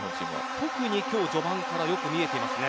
特に今日、序盤からよく見えていますね。